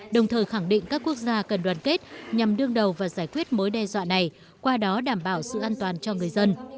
đồng thời khẳng định các quốc gia cần đoàn kết nhằm đương đầu và giải quyết mối đe dọa này qua đó đảm bảo sự an toàn cho người dân